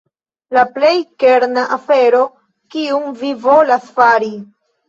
La plej kerna afero kiun vi volas fari.